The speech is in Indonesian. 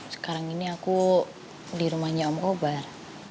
sekarang ini aku di rumahnya om obar